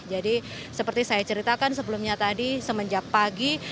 jadi seperti saya ceritakan sebelumnya tadi semenjak pagi